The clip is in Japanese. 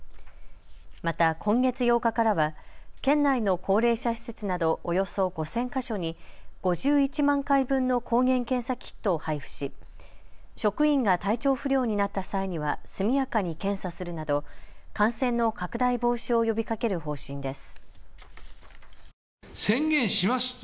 また今月８日からは県内の高齢者施設などおよそ５０００か所に５１万回分の抗原検査キットを配布し職員が体調不良になった際には速やかに検査するなど感染の拡大防止を呼びかける方針です。